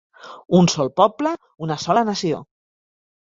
Un sol poble, una sola nació.